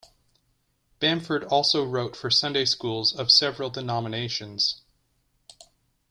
Bamford also wrote for Sunday schools of several denominations.